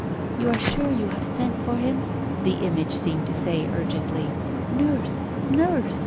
"You are sure you have sent for him?" the image seemed to say urgently. "Nurse! Nurse!